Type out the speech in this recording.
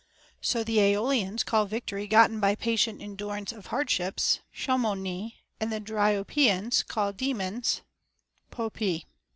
So the Aeolians call victory gotten by patient endurance of hardships χαμμονίη ; and the Dry opians call daemons πόποι.